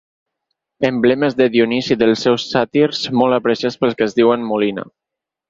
Emblemes de Dionís i dels seus sàtirs, molt apreciats pels que es diuen Molina.